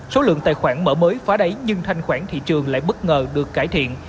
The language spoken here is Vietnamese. số lượng tài khoản mở mới phá đáy nhưng thanh khoản thị trường lại bất ngờ được cải thiện